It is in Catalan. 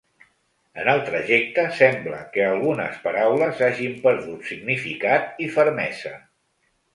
En el trajecte sembla que algunes paraules hagin perdut significat i fermesa.